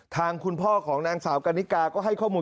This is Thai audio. ทางคุณพ่อของนางสาวกันนิกาก็ให้ข้อมูล